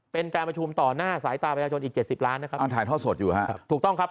เป็นการประชุมต่อหน้าสายตาไปจนอีก๗๐ล้านนะครับถูกต้องครับ